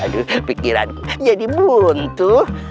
aduh pikiran jadi buntu